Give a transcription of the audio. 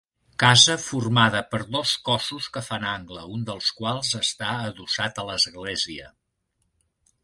Casa formada per dos cossos que fan angle, un dels quals està adossat a l'església.